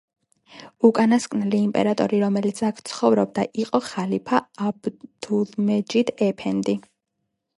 უკანასკნელი იმპერატორი, რომელიც აქ ცხოვრობდა იყო ხალიფა აბდულმეჯიდ ეფენდი.